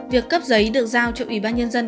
việc cấp giấy được giao cho ủy ban nhân dân